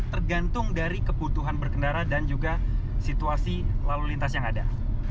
tergantung dari kebutuhan berkendara dan juga situasi lalu lintas yang ada